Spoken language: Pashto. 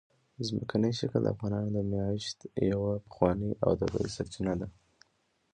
ځمکنی شکل د افغانانو د معیشت یوه پخوانۍ او طبیعي سرچینه ده.